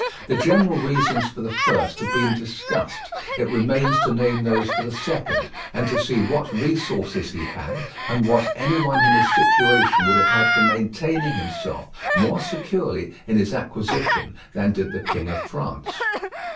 The general reasons for the first have been discussed; it remains to name those for the second, and to see what resources he had, and what any one in his situation would have had for maintaining himself more securely in his acquisition than did the King of France.